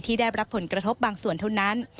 ได้รับผลกระทบบางส่วนเท่านั้น